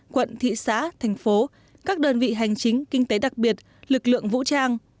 quận thị xã thành phố các đơn vị hành chính kinh tế đặc biệt lực lượng vũ trang